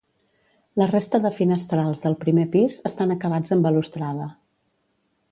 La resta de finestrals del primer pis estan acabats amb balustrada.